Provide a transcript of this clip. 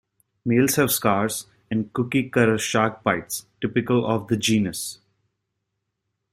Males have scars and cookie cutter shark bites typical of the genus.